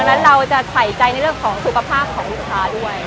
เพราะฉะนั้นเราจะใส่ใจในเรื่องของสุขภาพของลูกค้าด้วย